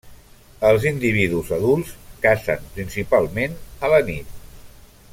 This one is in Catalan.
Els individus adults cacen principalment a la nit.